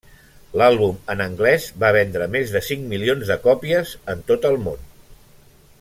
L'àlbum en anglès va vendre més de cinc milions de còpies en tot el món.